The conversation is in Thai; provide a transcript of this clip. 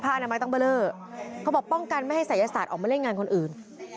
อนามัยต้องเบอร์เลอร์เขาบอกป้องกันไม่ให้ศัยศาสตร์ออกมาเล่นงานคนอื่น